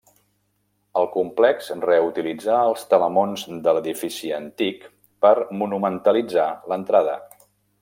El complex reutilitzà els telamons de l'edifici antic per monumentalitzar l'entrada.